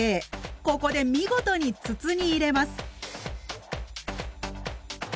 ここで見事に筒に入れます。